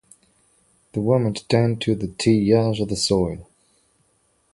The women attend to the tillage of the soil.